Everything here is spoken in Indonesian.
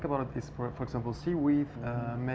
sehat untuk kita yaitu kalau kita pikirkan